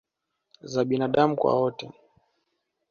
za binaadamu kwa wote